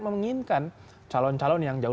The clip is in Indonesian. menginginkan calon calon yang jauh